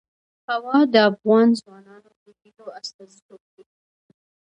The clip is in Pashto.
هوا د افغان ځوانانو د هیلو استازیتوب کوي.